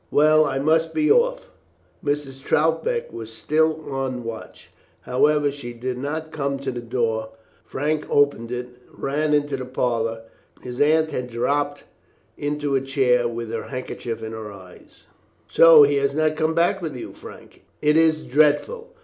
Well, I must be off." Mrs. Troutbeck was still on the watch. However, she did not come to the door. Frank opened it, and ran into the parlour. His Aunt had dropped into a chair, with her handkerchief to her eyes. "So he has not come back with you, Frank. It is dreadful.